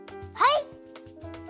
はい！